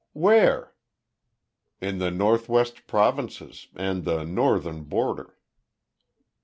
"Where?" "In the North West Provinces, and the Northern border."